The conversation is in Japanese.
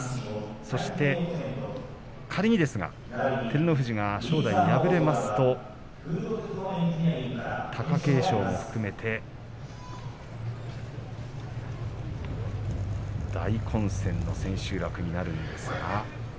そして仮にですが照ノ富士が正代に敗れますと貴景勝も含めて大混戦の千秋楽になると思います。